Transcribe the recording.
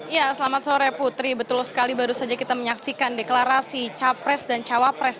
ya selamat sore putri betul sekali baru saja kita menyaksikan deklarasi capres dan cawapres